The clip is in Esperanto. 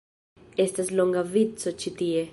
Estas longa vico ĉi tie